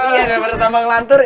iya martabak lantur